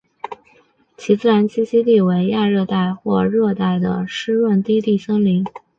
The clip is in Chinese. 其自然栖息地为亚热带或热带的湿润低地森林。